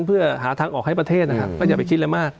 เพื่อหาทางออกให้ประเทศนะครับก็อย่าไปคิดอะไรมาก